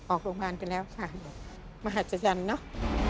ออกโรงพยาบาลไปแล้วค่ะมหัศจรรย์เนอะ